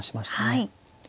はい。